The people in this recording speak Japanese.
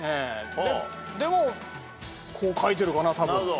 でもこう書いてるかなたぶん。